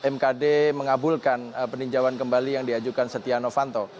mekad mengabulkan peninjauan kembali yang diajukan stiano vanto